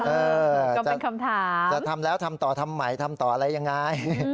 คำถามจะทำแล้วทำต่อทำใหม่ทำต่ออะไรยังไง